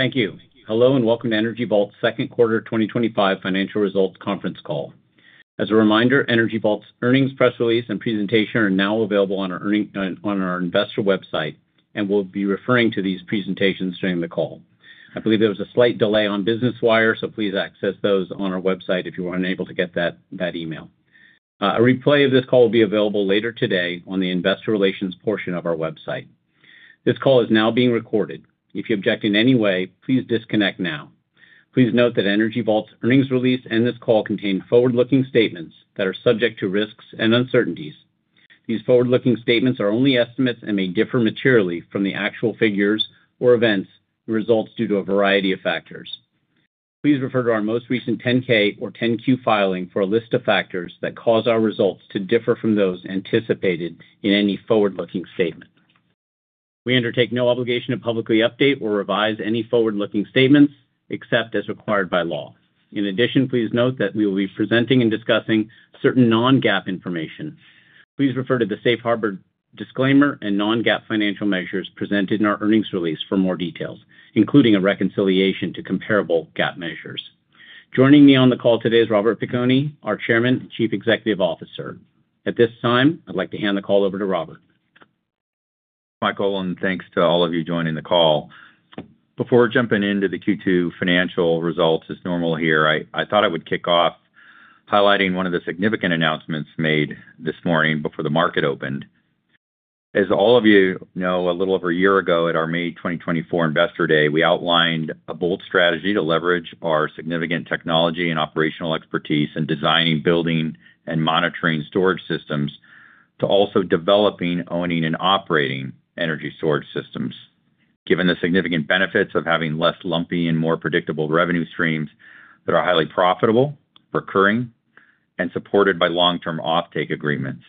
Thank you. Hello and welcome to Energy Vault's Second Quarter 2025 Financial Results Conference Call. As a reminder, Energy Vault's earnings press release and presentation are now available on our investor website, and we'll be referring to these presentations during the call. I believe there was a slight delay on Business Wire, so please access those on our website if you were unable to get that email. A replay of this call will be available later today on the investor relations portion of our website. This call is now being recorded. If you object in any way, please disconnect now. Please note that Energy Vault's earnings release and this call contain forward-looking statements that are subject to risks and uncertainties. These forward-looking statements are only estimates and may differ materially from the actual figures or events in results due to a variety of factors. Please refer to our most recent 10-K or 10-Q filing for a list of factors that cause our results to differ from those anticipated in any forward-looking statement. We undertake no obligation to publicly update or revise any forward-looking statements except as required by law. In addition, please note that we will be presenting and discussing certain non-GAAP information. Please refer to the safe harbor disclaimer and non-GAAP financial measures presented in our earnings release for more details, including a reconciliation to comparable GAAP measures. Joining me on the call today is Robert Piconi, our Chairman and Chief Executive Officer. At this time, I'd like to hand the call over to Robert. Michael, and thanks to all of you joining the call. Before jumping into the Q2 financial results, as normal here, I thought I would kick off highlighting one of the significant announcements made this morning before the market opened. As all of you know, a little over a year ago at our May 2024 Investor Day, we outlined a bold strategy to leverage our significant technology and operational expertise in designing, building, and monitoring storage systems, to also developing, owning, and operating energy storage systems. Given the significant benefits of having less lumpy and more predictable revenue streams that are highly profitable, recurring, and supported by long-term off-take agreements,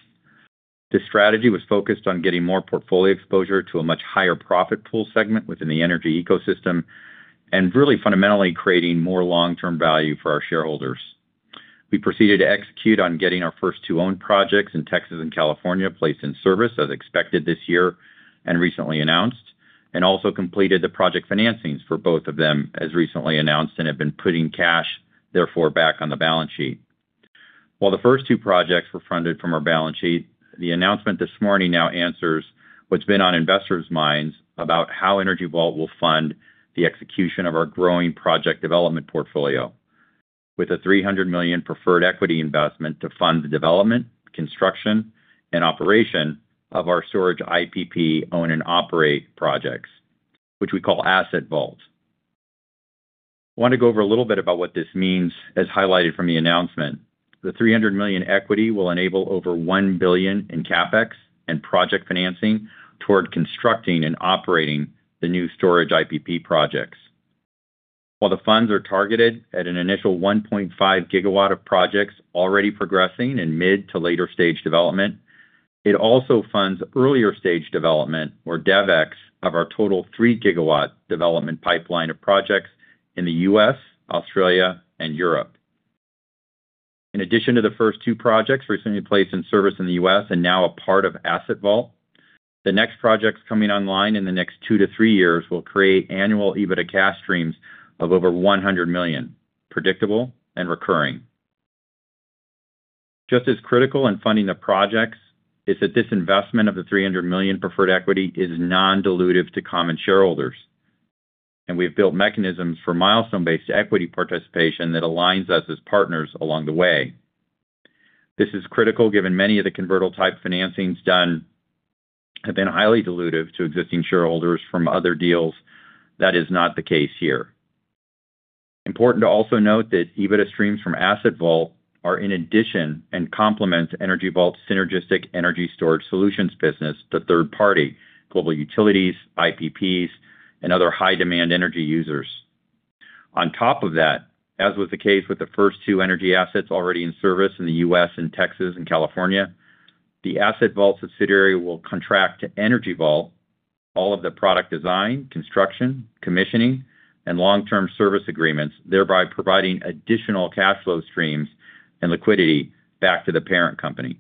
this strategy was focused on getting more portfolio exposure to a much higher profit pool segment within the energy ecosystem and really fundamentally creating more long-term value for our shareholders. We proceeded to execute on getting our first two owned projects in Texas and California placed in service as expected this year and recently announced, and also completed the project financings for both of them as recently announced and have been putting cash, therefore, back on the balance sheet. While the first two projects were funded from our balance sheet, the announcement this morning now answers what's been on investors' minds about how Energy Vault will fund the execution of our growing project development portfolio with a $300 million preferred equity investment to fund the development, construction, and operation of our storage IPP own and operate projects, which we call Asset Vault. I want to go over a little bit about what this means as highlighted from the announcement. The $300 million equity will enable over $1 billion in CapEx and project financing toward constructing and operating the new storage IPP projects. While the funds are targeted at an initial 1.5 GW of projects already progressing in mid to later stage development, it also funds earlier stage development or DevEx of our total 3 GW development pipeline of projects in the U.S., Australia, and Europe. In addition to the first two projects recently placed in service in the U.S. and now a part of Asset Vault, the next projects coming online in the next two-three years will create annual EBITDA cash streams of over $100 million, predictable and recurring. Just as critical in funding the projects is that this investment of the $300 million preferred equity is non-dilutive to common shareholders, and we've built mechanisms for milestone-based equity participation that aligns us as partners along the way. This is critical given many of the convertible type financings done have been highly dilutive to existing shareholders from other deals, that is not the case here. Important to also note that EBITDA streams from Asset Vault are in addition and complement Energy Vault's synergistic energy storage solutions business to third-party global utilities, IPPs, and other high-demand energy users. On top of that, as was the case with the first two energy assets already in service in the U.S. in Texas and California, the Asset Vault subsidiary will contract to Energy Vault all of the product design, construction, commissioning, and long-term service agreements, thereby providing additional cash flow streams and liquidity back to the parent company.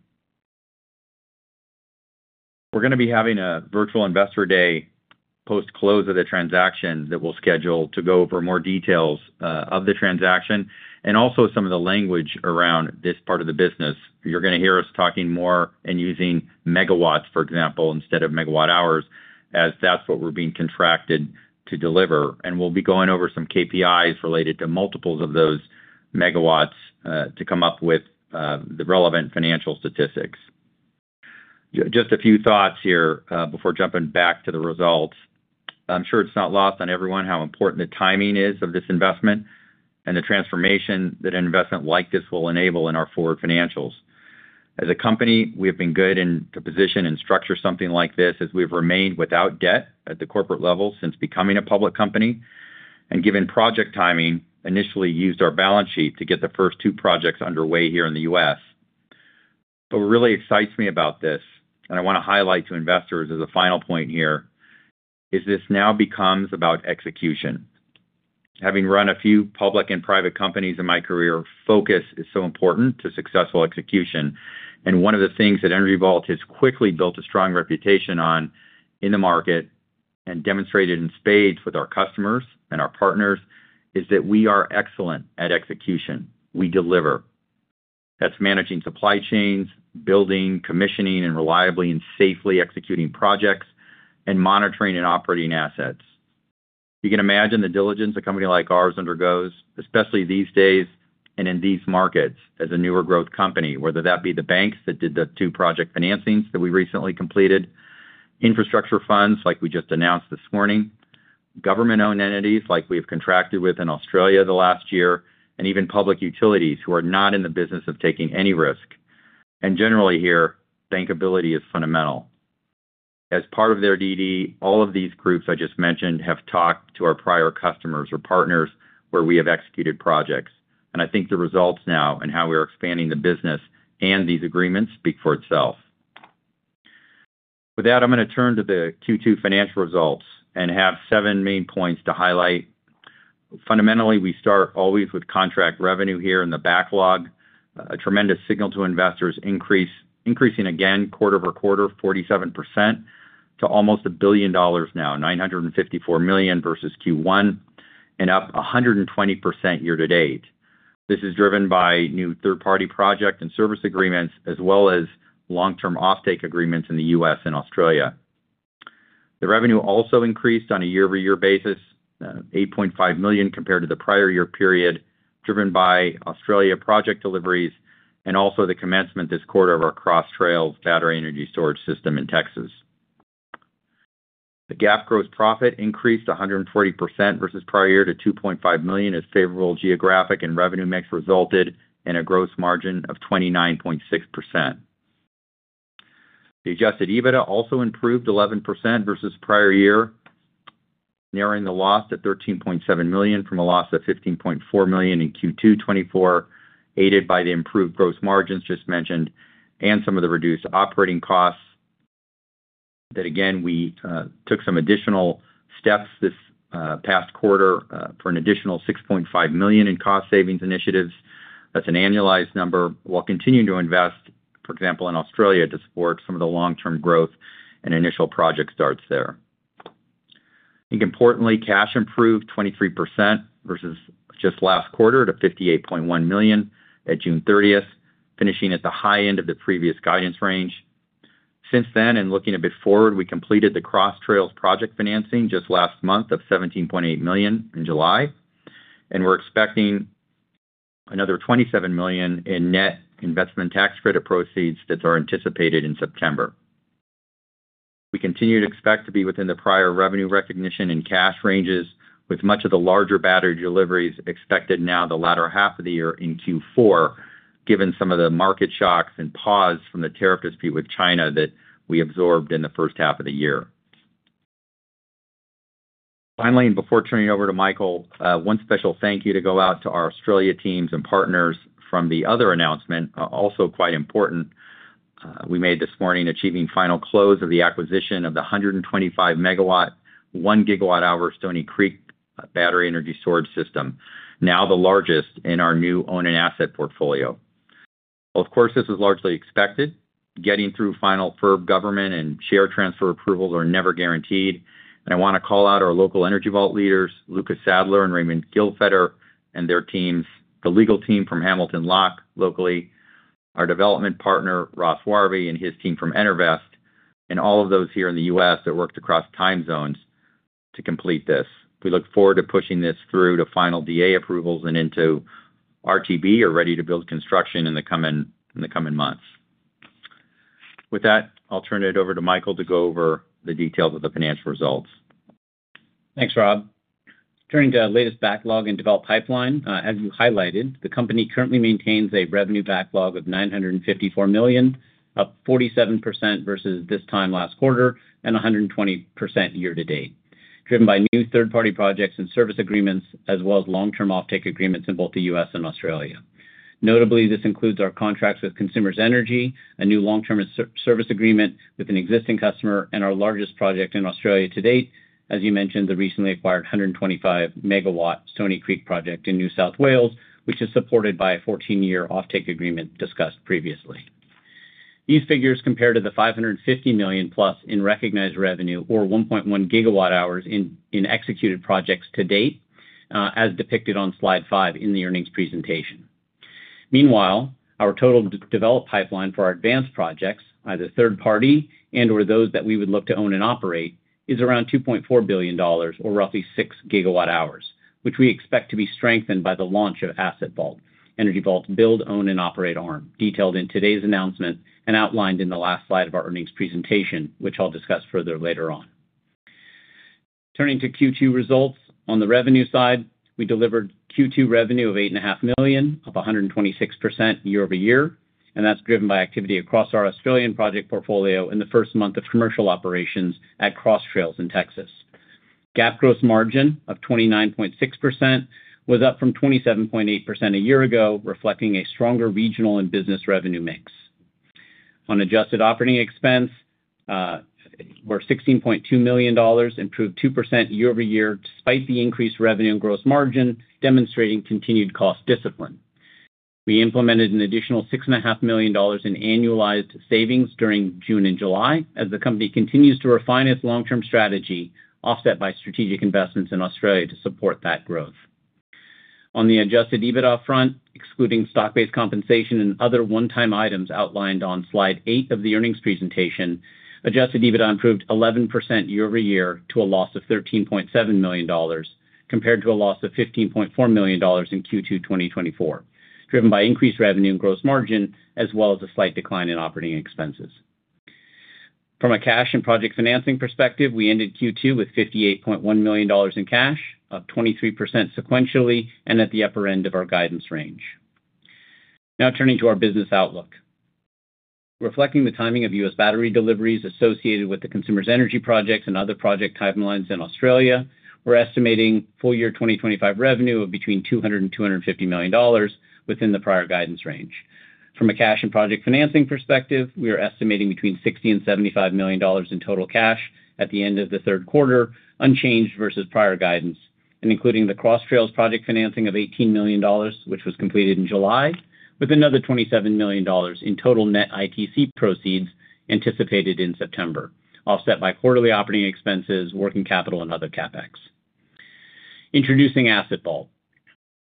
We are going to be having a Virtual Investor Day post-close of the transaction that we'll schedule to go over more details of the transaction and also some of the language around this part of the business. You're going to hear us talking more and using megawatts, for example, instead of megawatt-hours, as that's what we're being contracted to deliver. We will be going over some KPIs related to multiples of those megawatts to come up with the relevant financial statistics. Just a few thoughts here before jumping back to the results. I'm sure it's not lost on everyone how important the timing is of this investment and the transformation that an investment like this will enable in our forward financials. As a company, we have been good in the position and structure something like this as we've remained without debt at the corporate level since becoming a public company. Given project timing, we initially used our balance sheet to get the first two projects underway here in the U.S. What really excites me about this, and I want to highlight to investors as a final point here, is this now becomes about execution. Having run a few public and private companies in my career, focus is so important to successful execution. One of the things that Energy Vault has quickly built a strong reputation on in the market and demonstrated in spades with our customers and our partners is that we are excellent at execution. We deliver. That's managing supply chains, building, commissioning, and reliably and safely executing projects, and monitoring and operating assets. You can imagine the diligence a company like ours undergoes, especially these days and in these markets as a newer growth company, whether that be the banks that did the two project financings that we recently completed, infrastructure funds like we just announced this morning, government-owned entities like we have contracted with in Australia the last year, and even public utilities who are not in the business of taking any risk. Generally here, bankability is fundamental. As part of their (dd), all of these groups I just mentioned have talked to our prior customers or partners where we have executed projects. I think the results now and how we are expanding the business and these agreements speak for itself. With that, I'm going to turn to the Q2 financial results and have seven main points to highlight. Fundamentally, we start always with contract revenue here in the backlog, a tremendous signal to investors increasing again quarter over quarter, 47% to almost a billion dollars now, $954 million versus Q1, and up 120% year to date. This is driven by new third-party project and service agreements as well as long-term off-take agreements in the U.S. and Australia. The revenue also increased on a year-over-year basis, $8.5 million compared to the prior year period, driven by Australia project deliveries and also the commencement this quarter of our Cross Trails Battery Energy Storage System in Texas. The GAAP gross profit increased 140% versus prior year to $2.5 million as favorable geographic and revenue mix resulted in a gross margin of 29.6%. The adjusted EBITDA also improved 11% versus prior year, narrowing the loss to $13.7 million from a loss of $15.4 million in Q2 2024, aided by the improved gross margins just mentioned and some of the reduced operating costs. Again, we took some additional steps this past quarter for an additional $6.5 million in cost savings initiatives. That's an annualized number while continuing to invest, for example, in Australia to support some of the long-term growth and initial project starts there. Importantly, cash improved 23% versus just last quarter to $58.1 million at June 30th, finishing at the high end of the previous guidance range. Since then, and looking a bit forward, we completed the Cross Trails project financing just last month of $17.8 million in July, and we're expecting another $27 million in net investment tax credit proceeds that are anticipated in September. We continue to expect to be within the prior revenue recognition and cash ranges with much of the larger battery deliveries expected now the latter half of the year in Q4, given some of the market shocks and pause from the tariff dispute with China that we absorbed in the first half of the year. Finally, before turning it over to Michael, one special thank you to go out to our Australia teams and partners from the other announcement, also quite important, we made this morning achieving final close of the acquisition of the 125 MW, 1 GWh Stoney Creek battery energy storage system, now the largest in our new own and asset portfolio. Of course, this was largely expected. Getting through final FIRB government and share transfer approvals are never guaranteed. I want to call out our local Energy Vault leaders, Lucas Sadler and Raymond Gilfedder and their teams, a legal team from Hamilton Locke locally, our development partner, Ross Warby, and his team from Enervest, and all of those here in the U.S. that worked across time zones to complete this. We look forward to pushing this through to final DA approvals and into RTB or Ready To Build construction in the coming months. With that, I'll turn it over to Michael to go over the details of the financial results. Thanks, Rob. Turning to our latest backlog and developed pipeline, as you highlighted, the company currently maintains a revenue backlog of $954 million, up 47% versus this time last quarter and 120% year to date, driven by new third-party projects and service agreements, as well as long-term off-take agreements in both the U.S. and Australia. Notably, this includes our contracts with Consumers Energy, a new long-term service agreement with an existing customer, and our largest project in Australia to date, as you mentioned, the recently acquired 125 MW Stoney Creek project in New South Wales, which is supported by a 14-year off-take agreement discussed previously. These figures compare to the $550+ million in recognized revenue or 1.1 GWh in executed projects to date, as depicted on slide five in the earnings presentation. Meanwhile, our total developed pipeline for our advanced projects, either third-party and/or those that we would look to own and operate, is around $2.4 billion or roughly 6 GWh, which we expect to be strengthened by the launch of Asset Vault, Energy Vault's build, own, and operate arm, detailed in today's announcement and outlined in the last slide of our earnings presentation, which I'll discuss further later on. Turning to Q2 results, on the revenue side, we delivered Q2 revenue of $8.5 million, up 126% year-over-year, and that's driven by activity across our Australian project portfolio and the first month of commercial operations at Cross Trails in Texas. GAAP gross margin of 29.6% was up from 27.8% a year ago, reflecting a stronger regional and business revenue mix. On adjusted operating expense, we're $16.2 million, improved 2% year-over-year despite the increased revenue and gross margin, demonstrating continued cost discipline. We implemented an additional $6.5 million in annualized savings during June and July as the company continues to refine its long-term strategy, offset by strategic investments in Australia to support that growth. On the adjusted EBITDA front, excluding stock-based compensation and other one-time items outlined on slide eight of the earnings presentation, adjusted EBITDA improved 11% year-over-year to a loss of $13.7 million compared to a loss of $15.4 million in Q2 2024, driven by increased revenue and gross margin, as well as a slight decline in operating expenses. From a cash and project financing perspective, we ended Q2 with $58.1 million in cash, up 23% sequentially and at the upper end of our guidance range. Now turning to our business outlook, reflecting the timing of U.S. battery deliveries associated with the Consumers Energy projects and other project timelines in Australia, we're estimating full-year 2025 revenue of between $200 million and $250 million within the prior guidance range. From a cash and project financing perspective, we are estimating between $60 million and $75 million in total cash at the end of the third quarter, unchanged versus prior guidance, and including the Cross Trails project financing of $18 million, which was completed in July, with another $27 million in total net ITC proceeds anticipated in September, offset by quarterly operating expenses, working capital, and other CapEx. Introducing Asset Vault.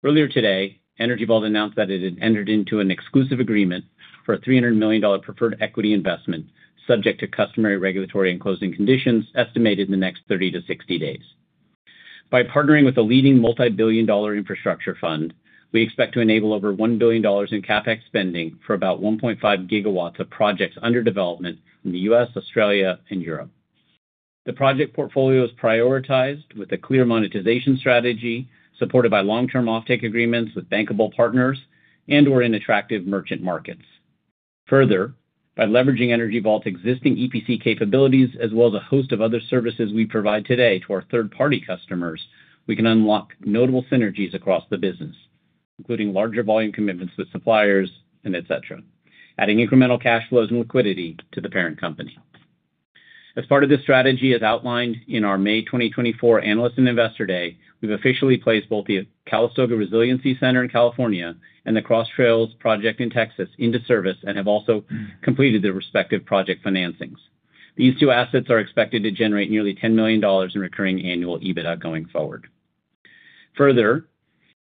Earlier today, Energy Vault announced that it had entered into an exclusive agreement for a $300 million preferred equity investment subject to customary regulatory and closing conditions estimated in the next 30 days-60 days. By partnering with a leading multi-billion dollar infrastructure fund, we expect to enable over $1 billion in CapEx spending for about 1.5 GW of projects under development in the U.S., Australia, and Europe. The project portfolio is prioritized with a clear monetization strategy supported by long-term off-take agreements with bankable partners and/or in attractive merchant markets. Further, by leveraging Energy Vault's existing EPC capabilities, as well as a host of other services we provide today to our third-party customers, we can unlock notable synergies across the business, including larger volume commitments with suppliers, etc., adding incremental cash flows and liquidity to the parent company. As part of this strategy, as outlined in our May 2024 Analyst and Investor Day, we've officially placed both the Calistoga Resiliency Center in California and the Cross Trails project in Texas into service and have also completed their respective project financings. These two assets are expected to generate nearly $10 million in recurring annual EBITDA going forward. Further,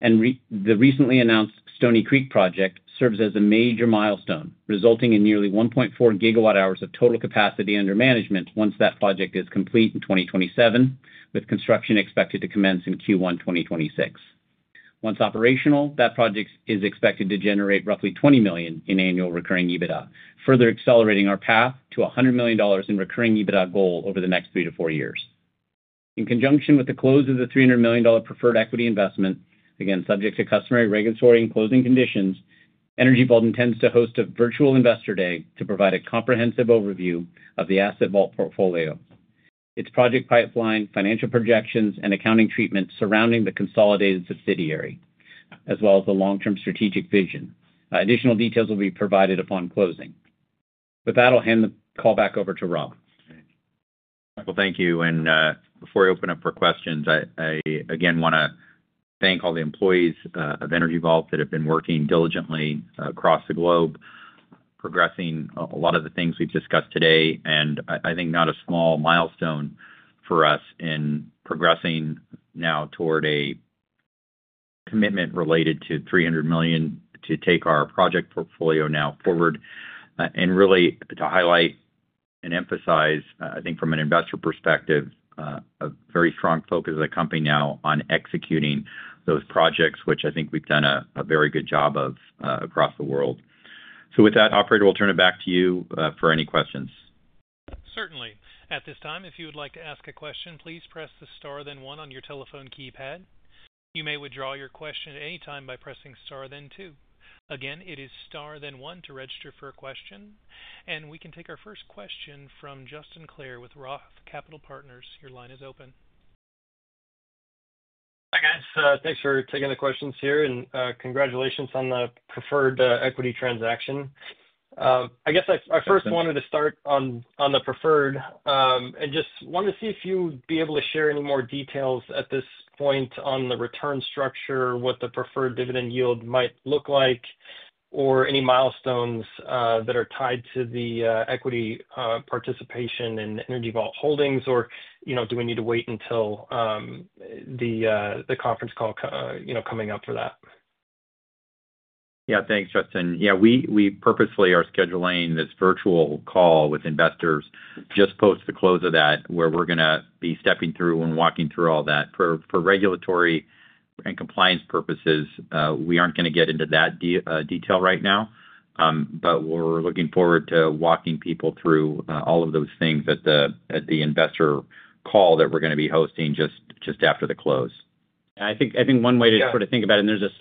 the recently announced Stoney Creek project serves as a major milestone, resulting in nearly 1.4 GWh of total capacity under management once that project is complete in 2027, with construction expected to commence in Q1 2026. Once operational, that project is expected to generate roughly $20 million in annual recurring EBITDA, further accelerating our path to $100 million in recurring EBITDA goal over the next three-four years. In conjunction with the close of the $300 million preferred equity investment, again subject to customary regulatory and closing conditions, Energy Vault intends to host a Virtual Investor Day to provide a comprehensive overview of the Asset Vault portfolio, its project pipeline, financial projections, and accounting treatments surrounding the consolidated subsidiary, as well as the long-term strategic vision. Additional details will be provided upon closing. With that, I'll hand the call back over to Rob. Michael, thank you. Before I open up for questions, I again want to thank all the employees of Energy Vault that have been working diligently across the globe, progressing a lot of the things we've discussed today. I think not a small milestone for us in progressing now toward a commitment related to $300 million to take our project portfolio now forward. I really want to highlight and emphasize, I think from an investor perspective, a very strong focus of the company now on executing those projects, which I think we've done a very good job of across the world. With that, operator, we'll turn it back to you for any questions. Certainly. At this time, if you would like to ask a question, please press the star then one on your telephone keypad. You may withdraw your question at any time by pressing star then two. Again, it is star then one to register for a question. We can take our first question from Justin Clare with ROTH Capital Partners. Your line is open. Hi guys, thanks for taking the questions here and congratulations on the preferred equity transaction. I guess I first wanted to start on the preferred and just wanted to see if you'd be able to share any more details at this point on the return structure, what the preferred dividend yield might look like, or any milestones that are tied to the equity participation in Energy Vault Holdings, or do we need to wait until the conference call coming up for that? Yeah, thanks Justin. We purposefully are scheduling this virtual call with investors just post the close of that, where we're going to be stepping through and walking through all that. For regulatory and compliance purposes, we aren't going to get into that detail right now, but we're looking forward to walking people through all of those things at the investor call that we're going to be hosting just after the close. I think one way to sort of think about it, and there's a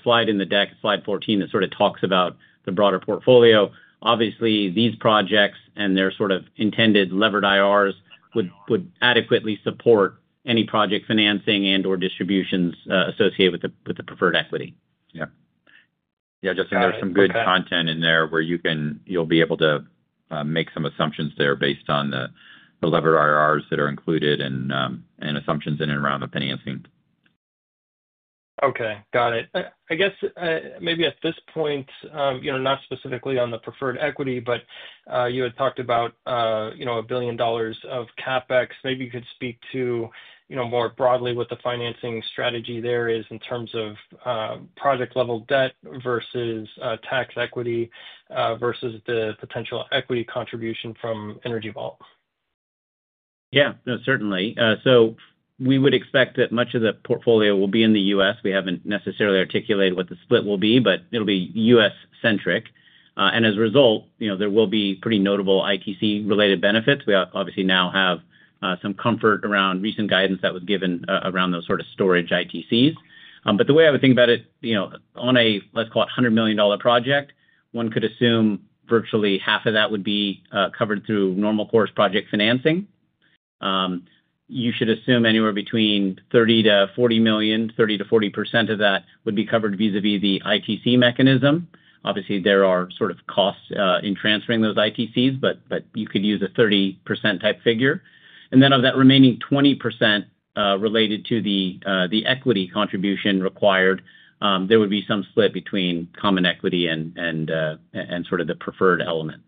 slide in the deck, slide 14, that sort of talks about the broader portfolio. Obviously, these projects and their sort of intended levered IRRs would adequately support any project financing and/or distributions associated with the preferred equity. Yeah, Justin, there's some good content in there where you'll be able to make some assumptions based on the levered IRRs that are included and assumptions in and around the financing. Okay, got it. I guess maybe at this point, not specifically on the preferred equity, but you had talked about, you know, a billion dollars of CapEx. Maybe you could speak to, you know, more broadly what the financing strategy there is in terms of project level debt versus tax equity versus the potential equity contribution from Energy Vault. Yeah, no, certainly. We would expect that much of the portfolio will be in the U.S. We haven't necessarily articulated what the split will be, but it'll be U.S.-centric. As a result, there will be pretty notable ITC-related benefits. We obviously now have some comfort around recent guidance that was given around those sort of storage ITCs. The way I would think about it, on a, let's call it, $100 million project, one could assume virtually half of that would be covered through normal course project financing. You should assume anywhere between $30 million-$40 million, 30%-40% of that would be covered vis-à-vis the ITC mechanism. Obviously, there are sort of costs in transferring those ITCs, but you could use a 30% type figure. Of that remaining 20% related to the equity contribution required, there would be some split between common equity and the preferred element.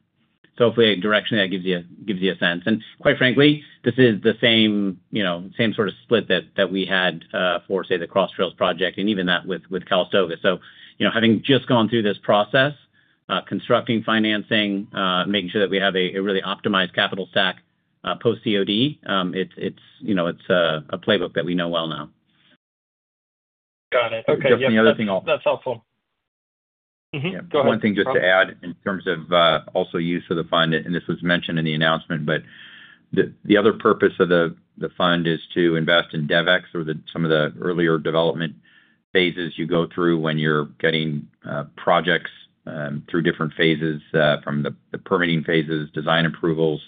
Hopefully, directionally, that gives you a sense. Quite frankly, this is the same sort of split that we had for, say, the Cross Trails project and even that with Calistoga. Having just gone through this process, constructing financing, making sure that we have a really optimized capital stack post-COD, it's a playbook that we know well now. Got it. Okay, that's helpful. One thing just to add in terms of also use for the fund, and this was mentioned in the announcement, the other purpose of the fund is to invest in DevEx or some of the earlier development phases you go through when you're getting projects through different phases from the permitting phases, design approvals,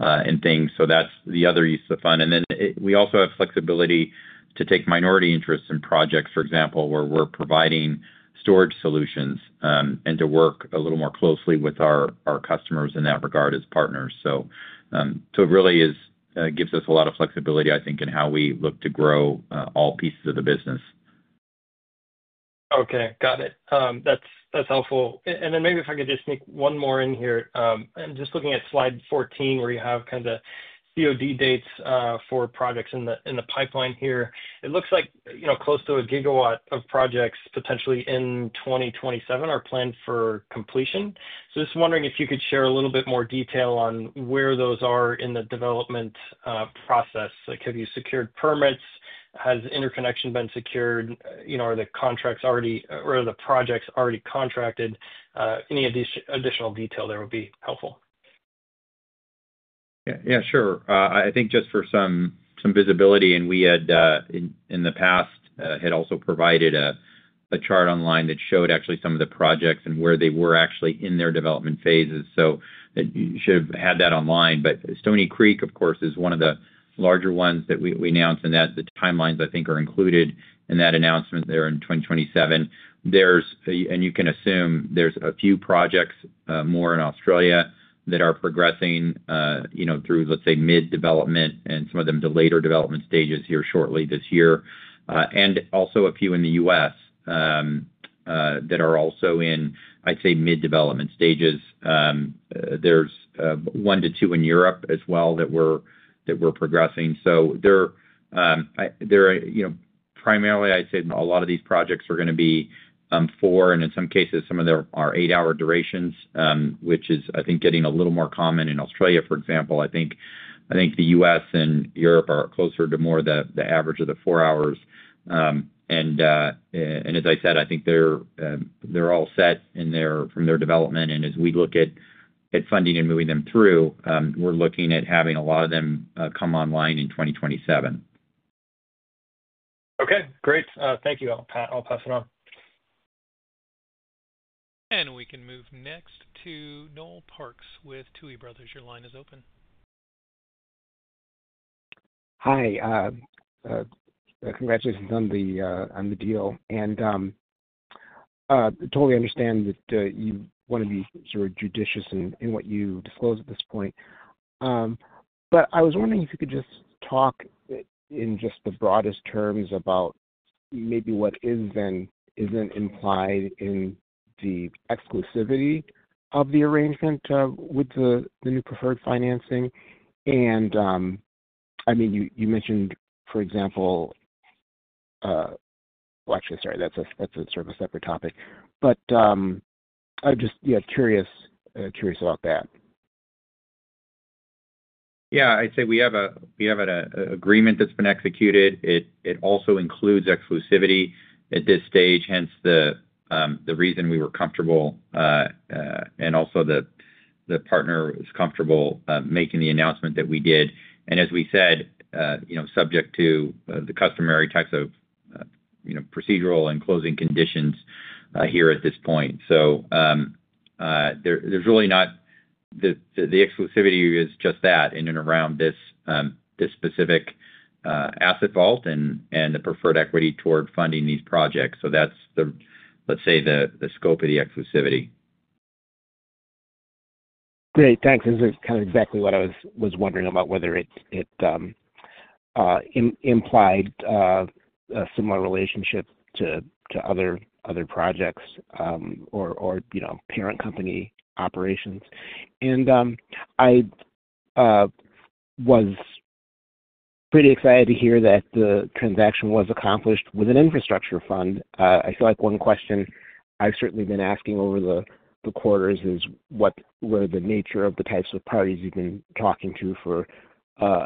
and things. That's the other use of the fund. We also have flexibility to take minority interests in projects, for example, where we're providing storage solutions and to work a little more closely with our customers in that regard as partners. It really gives us a lot of flexibility, I think, in how we look to grow all pieces of the business. Okay, got it. That's helpful. Maybe if I could just sneak one more in here. I'm just looking at slide 14 where you have kind of the COD dates for projects in the pipeline here. It looks like, you know, close to a gigawatt of projects potentially in 2027 are planned for completion. Just wondering if you could share a little bit more detail on where those are in the development process. Have you secured permits? Has interconnection been secured? Are the contracts already, or are the projects already contracted? Any of these additional details there would be helpful. Yeah, sure. I think just for some visibility, we had, in the past, also provided a chart online that showed actually some of the projects and where they were in their development phases. You should have had that online. Stoney Creek, of course, is one of the larger ones that we announced, and the timelines I think are included in that announcement there in 2027. You can assume there's a few projects more in Australia that are progressing through, let's say, mid-development and some of them to later development stages here shortly this year. Also, a few in the U.S. are in, I'd say, mid-development stages. There's one-two in Europe as well that we're progressing. Primarily, I'd say a lot of these projects are going to be four, and in some cases, some of them are eight-hour durations, which is, I think, getting a little more common in Australia, for example. I think the U.S. and Europe are closer to more the average of the four hours. As I said, I think they're all set from their development. As we look at funding and moving them through, we're looking at having a lot of them come online in 2027. Okay, great. Thank you. I'll pass it on. We can move next to Noel Parks with Tuohy Brothers. Your line is open. Hi. Congratulations on the deal. I totally understand that you want to be sort of judicious in what you disclose at this point. I was wondering if you could just talk in the broadest terms about maybe what is and isn't implied in the exclusivity of the arrangement with the new preferred financing. I mean, you mentioned, for example, actually, that's a sort of a separate topic. I'm just curious about that. Yeah, I'd say we have an agreement that's been executed. It also includes exclusivity at this stage, hence the reason we were comfortable and also the partner was comfortable making the announcement that we did. As we said, you know, subject to the customary types of, you know, procedural and closing conditions here at this point. There's really not, the exclusivity is just that in and around this specific Asset Vault and the preferred equity toward funding these projects. That's the, let's say, the scope of the exclusivity. Great, thanks. This is kind of exactly what I was wondering about, whether it implied a similar relationship to other projects or, you know, parent company operations. I was pretty excited to hear that the transaction was accomplished with an infrastructure fund. I feel like one question I've certainly been asking over the quarters is what were the nature of the types of parties you've been talking to for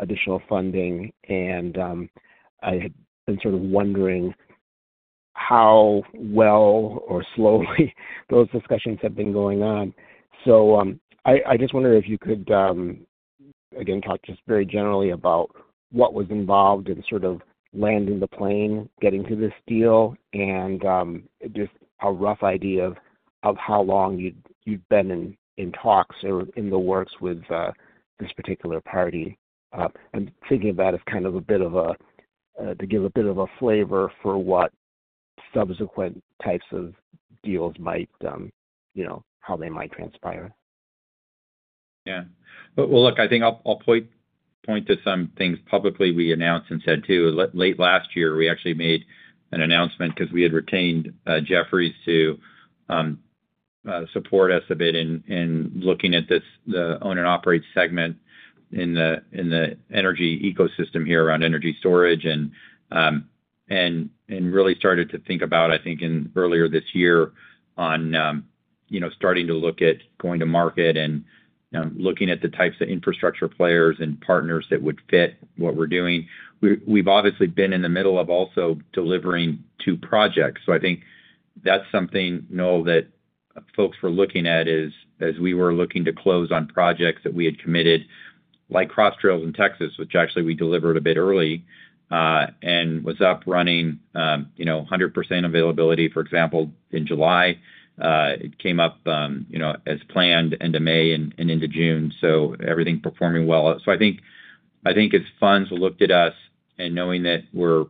additional funding. I had been sort of wondering how well or slowly those discussions have been going on. I just wonder if you could, again, talk just very generally about what was involved in sort of landing the plane, getting to this deal, and just a rough idea of how long you've been in talks or in the works with this particular party. I'm thinking of that as kind of a bit of a, to give a bit of a flavor for what subsequent types of deals might, you know, how they might transpire. Yeah. I think I'll point to some things publicly we announced and said too. Late last year, we actually made an announcement because we had retained Jefferies to support us a bit in looking at this, the own and operate segment in the energy ecosystem here around energy storage and really started to think about, I think, earlier this year on, you know, starting to look at going to market and looking at the types of infrastructure players and partners that would fit what we're doing. We've obviously been in the middle of also delivering two projects. I think that's something, Noel, that folks were looking at as we were looking to close on projects that we had committed, like Cross Trails in Texas, which actually we delivered a bit early and was up running, you know, 100% availability, for example, in July. It came up, you know, as planned end of May and into June. Everything performing well. I think as funds looked at us and knowing that we're,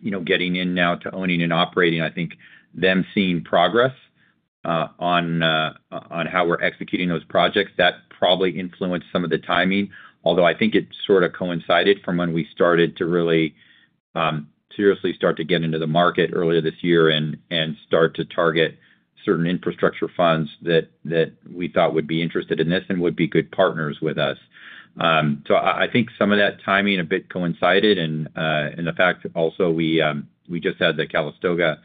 you know, getting in now to owning and operating, I think them seeing progress on how we're executing those projects, that probably influenced some of the timing, although I think it sort of coincided from when we started to really seriously start to get into the market earlier this year and start to target certain infrastructure funds that we thought would be interested in this and would be good partners with us. I think some of that timing a bit coincided. In fact, also we just had the Calistoga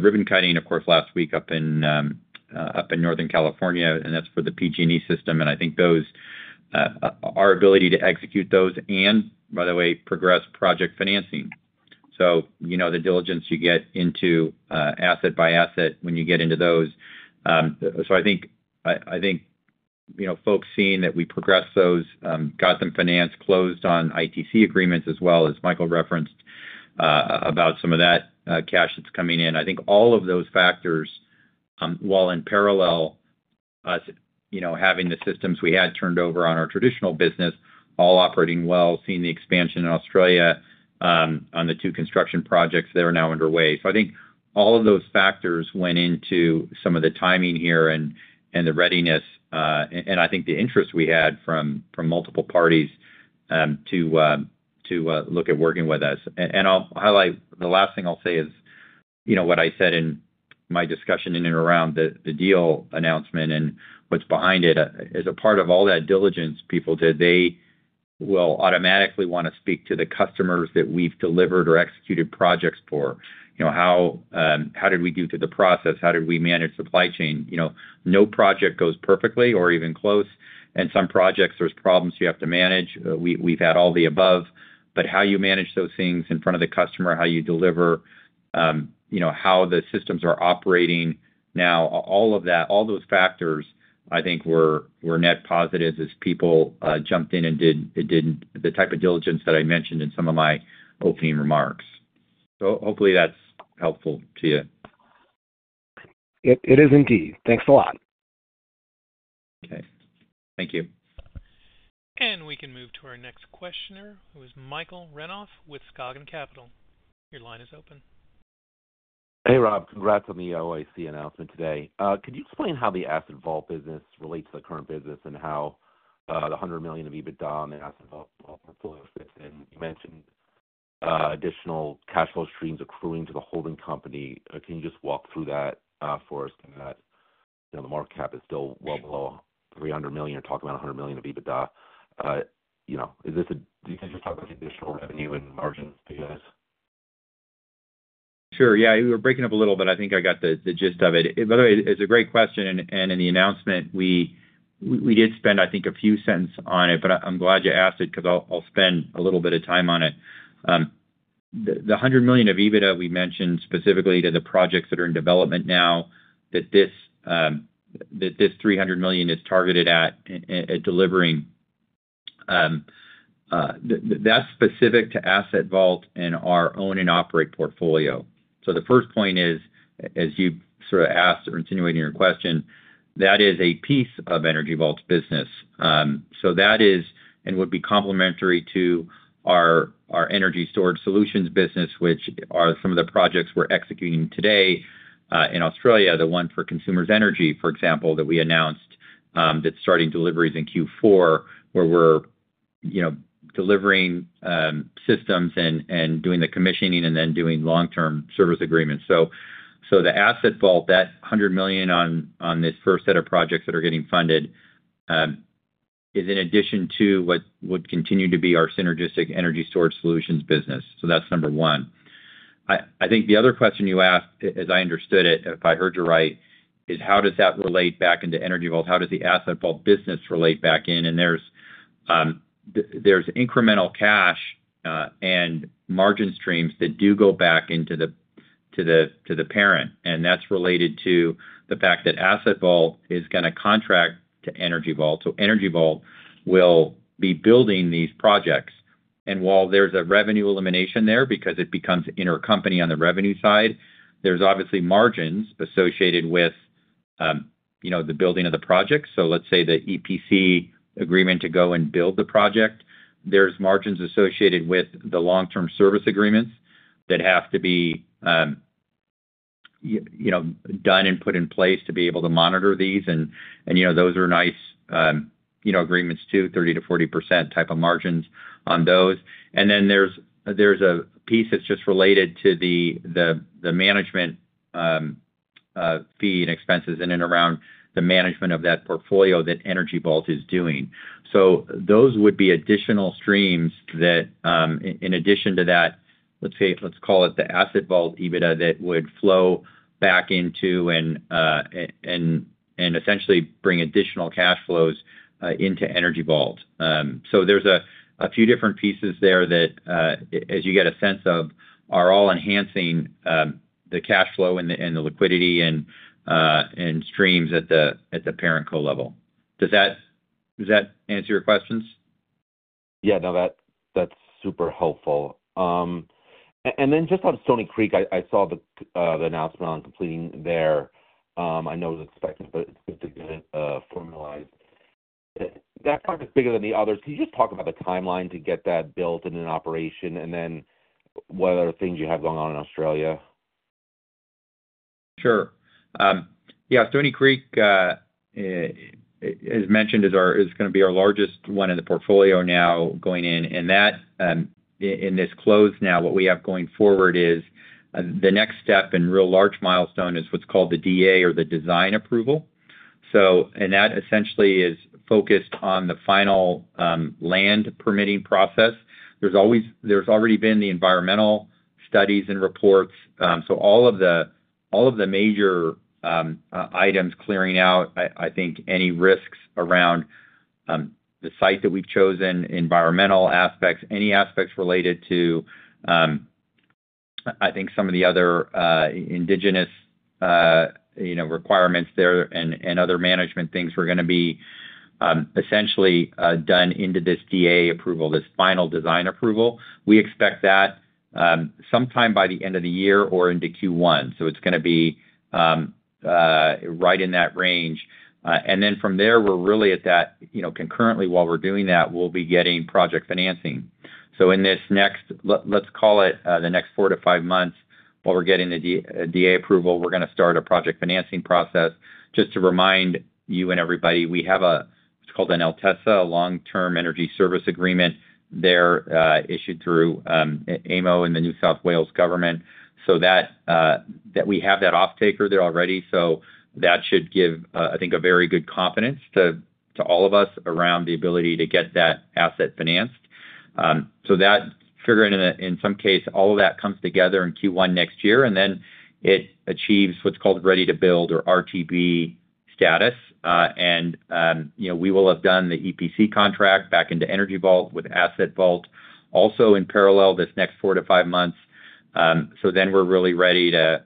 ribbon cutting, of course, last week up in Northern California, and that's for the PG&E System. I think those, our ability to execute those, and by the way, progress project financing. The diligence you get into asset by asset when you get into those. I think, you know, folks seeing that we progress those, got them financed, closed on investment tax credit agreements as well, as Michael referenced about some of that cash that's coming in. I think all of those factors, while in parallel, us, you know, having the systems we had turned over on our traditional business, all operating well, seeing the expansion in Australia on the two construction projects that are now underway. I think all of those factors went into some of the timing here and the readiness, and I think the interest we had from multiple parties to look at working with us. I'll highlight the last thing I'll say is, you know, what I said in my discussion in and around the deal announcement and what's behind it. As a part of all that diligence, people did, they will automatically want to speak to the customers that we've delivered or executed projects for. You know, how did we do through the process? How did we manage supply chain? You know, no project goes perfectly or even close. In some projects, there's problems you have to manage. We've had all the above, but how you manage those things in front of the customer, how you deliver, you know, how the systems are operating now, all of that, all those factors, I think were net positives as people jumped in and did the type of diligence that I mentioned in some of my opening remarks. Hopefully that's helpful to you. It is indeed. Thanks a lot. Okay, thank you. We can move to our next questioner, who is Michael Renoff with Scoggin Capital. Your line is open. Hey Rob, congrats on the OIC announcement today. Could you explain how the Asset Vault business relates to the current business and how the $100 million of EBITDA on the Asset Vault pull-out fits in? You mentioned additional cash flow streams accruing to the holding company. Can you just walk through that for us? The market cap is still well below $300 million. You're talking about $100 million of EBITDA. Is this, you guys are talking about additional revenue and margins for you guys? Sure. You were breaking up a little, but I think I got the gist of it. By the way, it's a great question. In the announcement, we did spend, I think, a few dollars on it, but I'm glad you asked it because I'll spend a little bit of time on it. The $100 million of EBITDA we mentioned is specific to the projects that are in development now that this $300 million is targeted at delivering. That's specific to Asset Vault and our own and operate portfolio. The first point is, as you sort of asked or insinuated in your question, that is a piece of Energy Vault's business. That is, and would be, complementary to our energy storage solutions business, which are some of the projects we're executing today in Australia, the one for Consumers Energy, for example, that we announced that's starting deliveries in Q4, where we're delivering systems and doing the commissioning and then doing long-term service agreements. The Asset Vault, that $100 million on this first set of projects that are getting funded, is in addition to what would continue to be our synergistic energy storage solutions business. That's number one. I think the other question you asked, as I understood it, if I heard you right, is how does that relate back into Energy Vault? How does the Asset Vault business relate back in? There are incremental cash and margin streams that do go back into the parent. That's related to the fact that Asset Vault is going to contract to Energy Vault. Energy Vault will be building these projects. While there's a revenue elimination there because it becomes intercompany on the revenue side, there are obviously margins associated with the building of the project. Let's say the EPC agreement to go and build the project, there are margins associated with the long-term service agreements that have to be done and put in place to be able to monitor these. Those are nice agreements too, 30%-40% type of margins on those. Then there's a piece that's just related to the management fee and expenses in and around the management of that portfolio that Energy Vault is doing. Those would be additional streams that, in addition to that, let's call it the Asset Vault EBITDA, would flow back into and essentially bring additional cash flows into Energy Vault. There are a few different pieces there that, as you get a sense of, are all enhancing the cash flow and the liquidity and streams at the parent co-level. Does that answer your questions? Yeah, no, that's super helpful. Just on Stoney Creek, I saw the announcement on completing there. I know it was expected, but it's just a bit formalized. That project's bigger than the others. Can you just talk about the timeline to get that built and in operation, and then what other things you have going on in Australia? Sure. Yeah, Stoney Creek, as mentioned, is going to be our largest one in the portfolio now going in. What we have going forward is the next step and real large milestone, which is called the DA or the Design Approval. That essentially is focused on the final land permitting process. There have already been the environmental studies and reports, so all of the major items clearing out, I think any risks around the site that we've chosen, environmental aspects, any aspects related to some of the other indigenous requirements there and other management things, are going to be essentially done into this DA approval, this final design approval. We expect that sometime by the end of the year or into Q1. It's going to be right in that range. From there, concurrently while we're doing that, we'll be getting project financing. In this next, let's call it the next four-five months, while we're getting the DA approval, we're going to start a project financing process. Just to remind you and everybody, we have what's called an LTESA, a Long-Term Energy Service Agreement there issued through AMO in the New South Wales government, so we have that off-taker there already. That should give, I think, very good confidence to all of us around the ability to get that asset financed. Figuring in some case, all of that comes together in Q1 next year, and then it achieves what's called ready to build or RTB status. We will have done the EPC contract back into Energy Vault with Asset Vault also in parallel this next four-five months. Then we're really ready to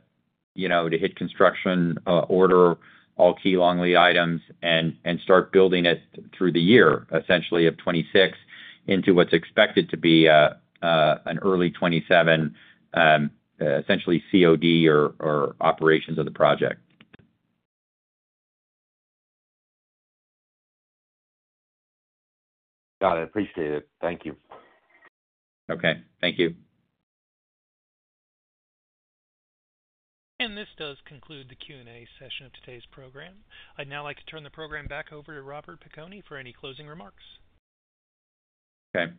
hit construction, order all key long lead items, and start building it through the year, essentially of 2026 into what's expected to be an early 2027, essentially COD or operations of the project. Got it. Appreciate it. Thank you. Okay, thank you. This does conclude the Q&A session of today's program. I'd now like to turn the program back over to Robert Piconi for any closing remarks. Okay.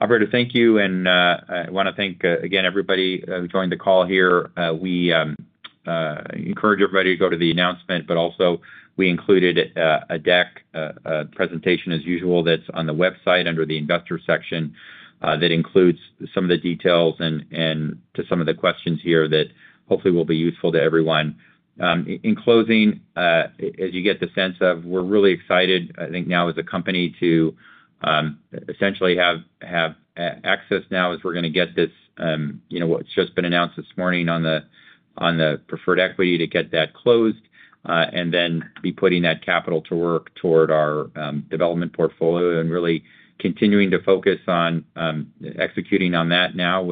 Operator, thank you. I want to thank again everybody who joined the call here. We encourage everybody to go to the announcement, but also we included a deck presentation as usual that's on the website under the investor section that includes some of the details and to some of the questions here that hopefully will be useful to everyone. In closing, as you get the sense of, we're really excited, I think now as a company to essentially have access now as we're going to get this, you know, what's just been announced this morning on the preferred equity to get that closed and then be putting that capital to work toward our development portfolio and really continuing to focus on executing on that now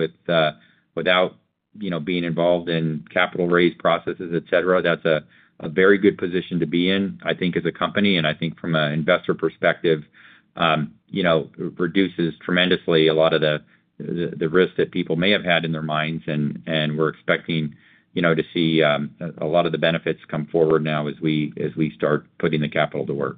without being involved in capital raise processes, et cetera. That's a very good position to be in, I think, as a company. I think from an investor perspective, you know, reduces tremendously a lot of the risk that people may have had in their minds. We're expecting to see a lot of the benefits come forward now as we start putting the capital to work.